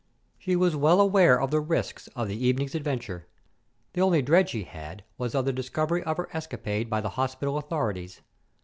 She was well aware of the risks of the evening's adventure. The only dread she had was of the discovery of her escapade by the hospital authorities.